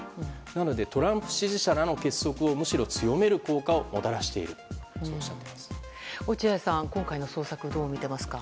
なのでトランプ支持者らの結束をむしろ強める効果をもたらしていると落合さん、今回の捜索どう見ていますか。